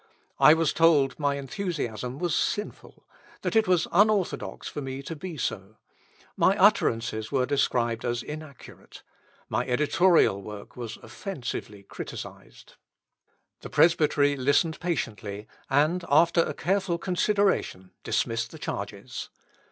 I was told my enthusiasm was sinful, that it was unorthodox for me to be so. My utterances were described as inaccurate. My editorial work was offensively criticised. The Presbytery listened patiently, and after a careful consideration dismissed the charges.